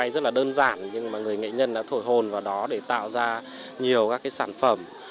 rất là đơn giản nhưng mà người nghệ nhân đã thổi hồn vào đó để tạo ra nhiều các cái sản phẩm